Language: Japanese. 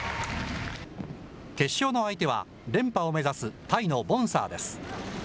決勝の相手は、連覇を目指すタイのボンサーです。